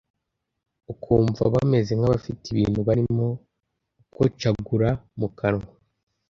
ukumva bameze nk’abafite ibintu barimo gukocagura mu kanwa